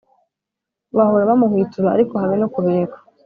Bahora bamuhwitura ariko habe no kubireka